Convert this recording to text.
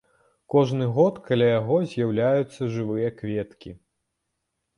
Кожны год каля яго з'яўляюцца жывыя кветкі.